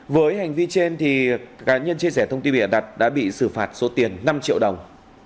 với hành vi trên cá nhân chia sẻ thông tin bịa đặt đã bị xử phạt số tiền năm triệu đồng